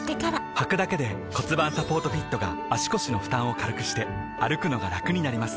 はくだけで骨盤サポートフィットが腰の負担を軽くして歩くのがラクになります